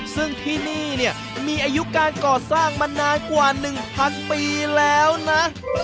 ซึ่งที่นี่เนี่ยมีอายุการก่อสร้างมานานกว่า๑๐๐ปีแล้วนะ